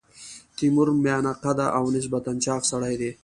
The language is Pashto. تیمور میانه قده او نسبتا چاغ سړی دی.